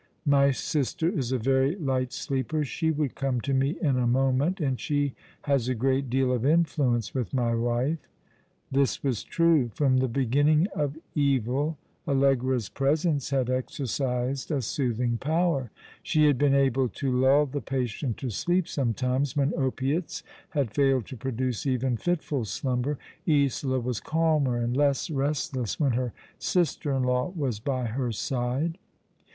My sister is a very light sleeper. She would come to me in a moment, and she has a great deal of influence with my wife." This was true. From the beginning of evil Allegra's presence had exercised a soothing power. She had been able to lull the patient to sleep sometimes, when opiates had failed to produce even fitful slumber. Isola was calmer and less restless when her sister in law was by her side.